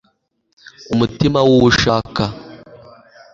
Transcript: umutima w uwo ishaka